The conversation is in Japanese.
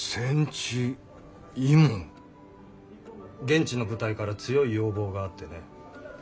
現地の部隊から強い要望があってね